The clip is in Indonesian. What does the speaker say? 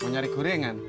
mau nyari gorengan